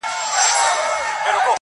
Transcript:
• پلار کار ته ځي خو زړه يې نه وي هلته..